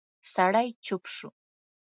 سړی چوپ شو.